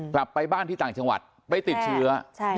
กลับไปบ้านที่ต่างจังหวัดไปติดเชื้อ